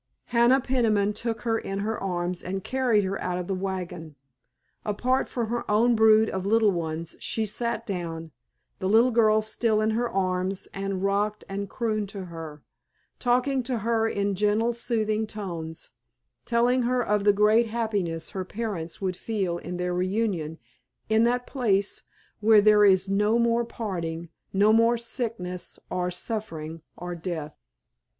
Hannah Peniman took her in her arms and carried her out of the wagon. Apart from her own brood of little ones she sat down, the little girl still in her arms, and rocked and crooned to her, talking to her in gentle, soothing tones, telling her of the great happiness her young parents would feel in their reunion, in that place where there is no more parting, no more sickness or suffering or death.